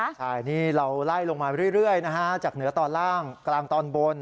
ใช่นี่เราไล่ลงมาเรื่อยนะฮะจากเหนือตอนล่างกลางตอนบน